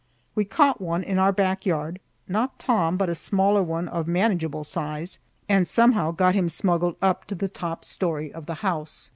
We caught one in our back yard, not Tom but a smaller one of manageable size, and somehow got him smuggled up to the top story of the house.